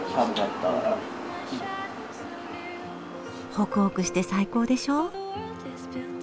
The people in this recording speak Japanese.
ホクホクして最高でしょう？